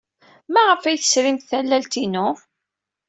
Maɣef ay tesrimt tallalt-inu?